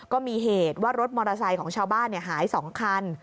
ก็มีเหตุว่ารถมอเตอร์ไซค์ของชาวบ้านหาย๒คัน